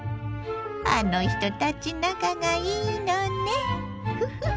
あの人たち仲がいいのねフフッ。